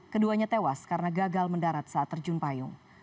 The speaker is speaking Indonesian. keduanya tewas karena gagal mendarat saat terjun payung